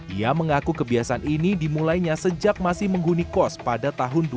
ia mengaku kebiasaan ini dimulainya sejak masih menghuni kos pada tahun dua ribu